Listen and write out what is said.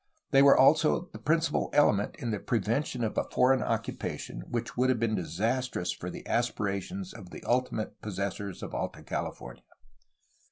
They were also the principal element in the prevention of a foreign occupation which would have been disastrous to the aspirations of the ultimate possessors of Alta California.